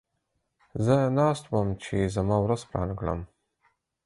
زه ناست وم چې زما ورځ پلان کړم.